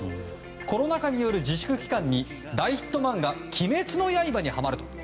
コロナ禍による自粛期間に大ヒット漫画「鬼滅の刃」にはまると。